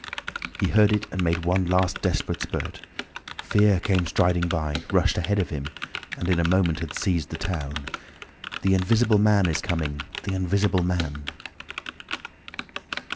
He heard it and made one last desperate spurt. Fear came striding by, rushed ahead of him, and in a moment had seized the town. "The Invisible Man is coming! The Invisible Man!"